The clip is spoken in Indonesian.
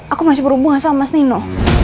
aku masih berhubungan sama mas nino